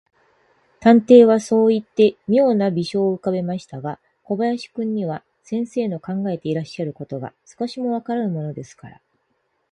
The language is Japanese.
探偵はそういって、みょうな微笑をうかべましたが、小林君には、先生の考えていらっしゃることが、少しもわからぬものですから、